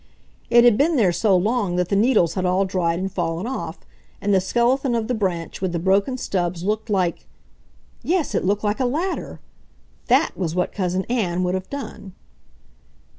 It had been there so long that the needles had all dried and fallen off, and the skeleton of the branch with the broken stubs looked like ... yes, it looked like a ladder! THAT was what Cousin Ann would have done!